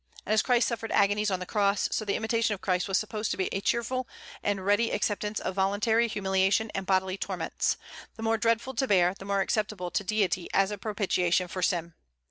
And as Christ suffered agonies on the cross, so the imitation of Christ was supposed to be a cheerful and ready acceptance of voluntary humiliation and bodily torments, the more dreadful to bear, the more acceptable to Deity as a propitiation for sin.